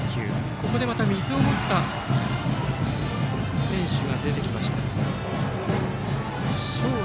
ここでまた水を持った選手が出てきました。